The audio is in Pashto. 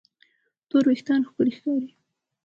تور وېښتيان ښکلي ښکاري.